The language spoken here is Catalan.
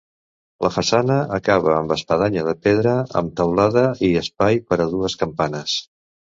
La façana acaba amb espadanya de pedra amb teulada i espai per a dues campanes.